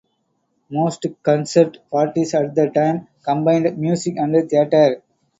Most concert parties at the time combined music and theatre.